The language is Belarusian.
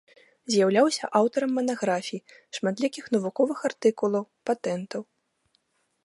З'яўляўся аўтарам манаграфій, шматлікіх навуковых артыкулаў, патэнтаў.